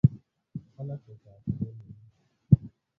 خلک ورته عقیده لري.